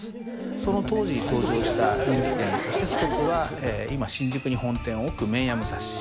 その当時に登場した人気店の一つは、今、新宿に本店を置く麺屋武蔵。